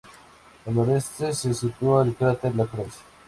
Al noroeste se sitúa el cráter Lacroix.